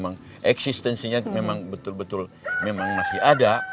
memang eksistensinya memang betul betul memang masih ada